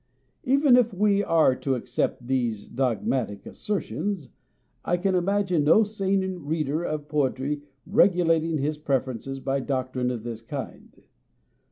Even if we are to accept these dogmatic assertions, I can imagine no sane reader of poetry regulating his preferences by doctrine of this kind.